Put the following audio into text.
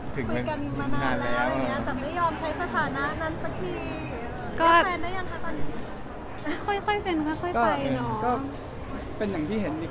เท่าปีที่๗ค่ะ